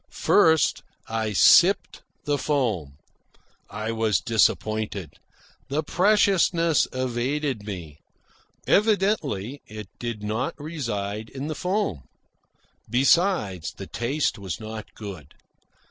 First I sipped the foam. I was disappointed. The preciousness evaded me. Evidently it did not reside in the foam. Besides, the taste was not good.